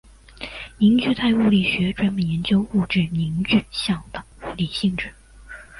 凝聚态物理学专门研究物质凝聚相的物理性质。